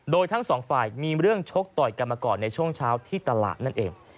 โดยทั้งสองฝ่ายมีเรื่องชกต่อยกันมาก่อนในช่วงเช้าที่ตลาดนั่นเอง